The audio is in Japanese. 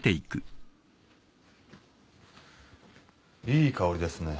いい香りですね。